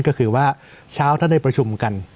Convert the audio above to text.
ก็คือว่าเช้าท่านได้ประชุมกัน